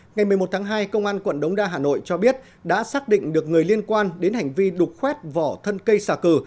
ngày một mươi một tháng hai công an quận đống đa hà nội cho biết đã xác định được người liên quan đến hành vi đục khoét vỏ thân cây xà cừ